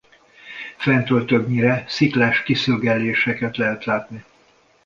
Fentről többnyire sziklás kiszögelléseket lehet látni.